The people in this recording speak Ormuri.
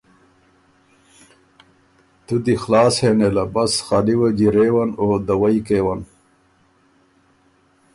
تُو دی خلاص هې نېله بس خالی وه جیرېون او دَوئ کېون